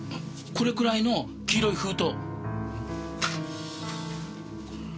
これくらいの黄色い封筒。